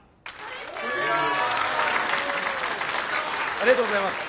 ありがとうございます。